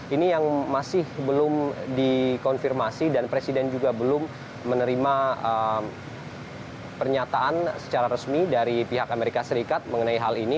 ini yang masih belum dikonfirmasi dan presiden juga belum menerima pernyataan secara resmi dari pihak amerika serikat mengenai hal ini